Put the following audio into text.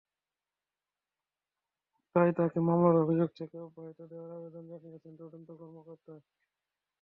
তাই তাঁকে মামলার অভিযোগ থেকে অব্যাহতি দেওয়ার আবেদন জানিয়েছেন তদন্ত কর্মকর্তা।